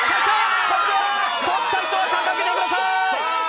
取った人は掲げてください。